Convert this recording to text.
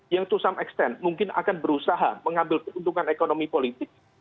yang to some extent mungkin akan berusaha mengambil keuntungan ekonomi politik